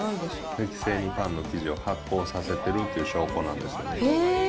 適正にパンの生地を発酵させてるっていう証拠なんですよね。